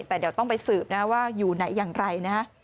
แต่เดี๋ยวต้องไปสืบนะว่าอยู่ไหนอย่างไรนะฮะ